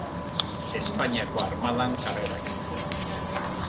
Espainiako Armadan karrera egin zuen.